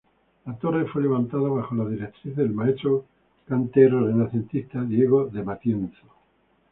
La torre fue levantada bajo las directrices del maestro cantero renacentista Diego de Matienzo.